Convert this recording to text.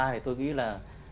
thì tôi nghĩ là